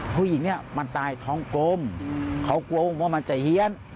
ผู้หญิงเนี่ยมันตายท้องกลมเขากลัวว่ามันจะเฮียน